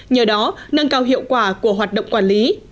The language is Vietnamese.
nhờ đó nâng cao hiệu quả của hoạt động quản lý